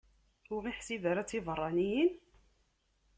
Ur ɣ-iḥsib ara d tibeṛṛaniyin?